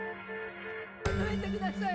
やめてください。